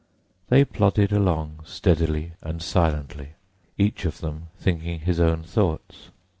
They plodded along steadily and silently, each of them thinking his own thoughts.